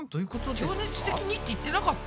情熱的にって言ってなかった？